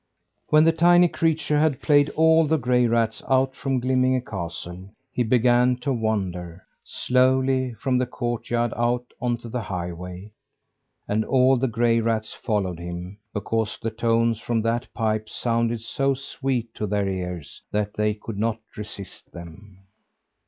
When the tiny creature had played all the gray rats out of Glimminge castle, he began to wander slowly from the courtyard out on the highway; and all the gray rats followed him, because the tones from that pipe sounded so sweet to their ears that they could not resist them.